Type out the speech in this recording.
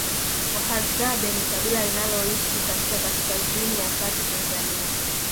Wahadzabe ni kabila linaloishi katika kaskazini ya kati Tanzania